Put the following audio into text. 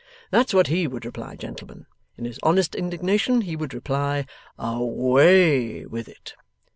That's what HE would reply, gentlemen. In his honest indignation he would reply, "Away with it!"